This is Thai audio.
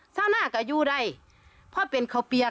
ชาวนาก็อยู่ได้